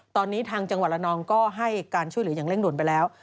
ตอนนี้ทางจังหวัดละนองก็ให้การช่วยเหลืออย่างเร่งด่วนไปแล้ว